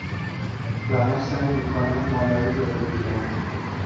دارم سعی می کنم مالایی یاد بگیرم.